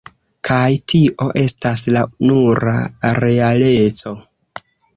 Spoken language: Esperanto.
Kaj tio, estas la nura realeco.